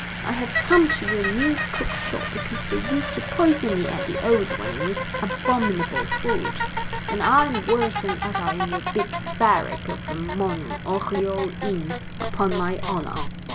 I have come to your new cook shop because they used to poison me at the old one with abominable food, and I am worse than ever in your big barrack of a Mont Oriol inn, upon my honor!"